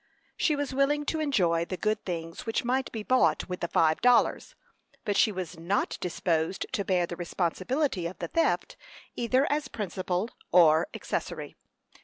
She was willing to enjoy the good things which might be bought with the five dollars, but she was not disposed to bear the responsibility of the theft, either as principal or accessory.